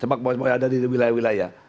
sepak boi boi ada di wilayah wilayah